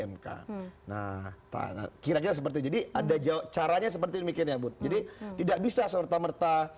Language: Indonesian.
mk nah kira kira seperti jadi ada jawab caranya seperti demikian ya bu jadi tidak bisa serta merta